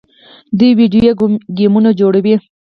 دوی ویډیو ګیمونه جوړوي.